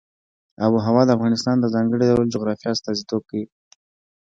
آب وهوا د افغانستان د ځانګړي ډول جغرافیه استازیتوب کوي.